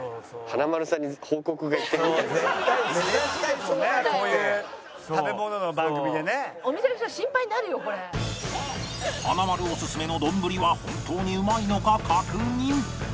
華丸オススメの丼は本当にうまいのか確認